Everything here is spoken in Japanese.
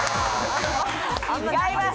違います。